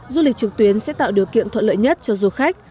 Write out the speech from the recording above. du lịch trực tuyến sẽ tạo điều kiện thuận lợi nhất cho du khách